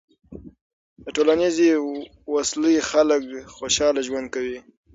د ټولنیزې وصلۍ خلک خوشحاله ژوند کوي.